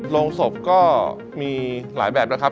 โรงศพก็มีหลายแบบนะครับ